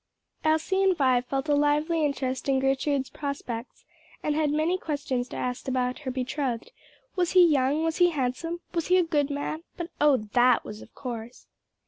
Elsie and Vi felt a lively interest in Gertrude's prospects, and had many questions to ask about her betrothed; "Was he young? was he handsome? was he a good man? But, oh that was of course."